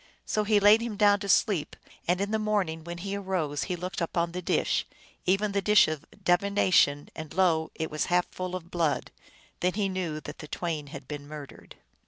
So he laid him down to sleep, and in the morning when he arose he looked upon the dish, even the dish of divination, and lo ! it was half full of blood. Then he knew that the twain had been murdered.